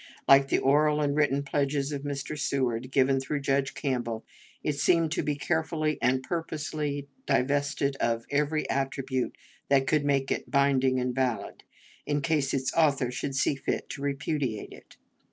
Like the oral and written pledges of Mr. Seward, given through Judge Campbell, it seemed to be carefully and purposely divested of every attribute that could make it binding and valid, in case its authors should see fit to repudiate it.